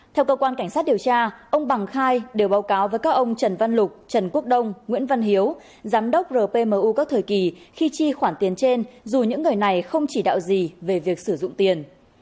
theo cơ quan cảnh sát điều tra ông bằng khai đều báo cáo với các ông trần văn lục trần quốc đông nguyễn văn hiếu giám đốc rpmu các thời kỳ khi chi khoản tiền trên dù những người này không chỉ đạo gì về việc sử dụng tiền